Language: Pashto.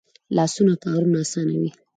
لاسونه کارونه آسانوي